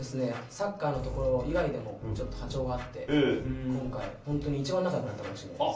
サッカーのところ以外でも、ちょっと波長が合って、今回、本当に一番仲よくなったかもしれないです。